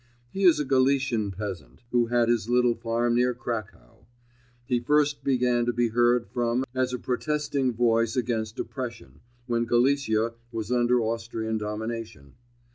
He is a Galician peasant, who had his little farm near Cracow. He first began to be heard from as a protesting voice against oppression, when Galicia was under Austrian domination.